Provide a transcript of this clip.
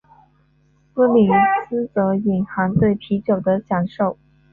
西里斯则隐含对啤酒的享受。